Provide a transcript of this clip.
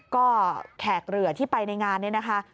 ก็แขกเรือที่ไปในงานนี้นะคะ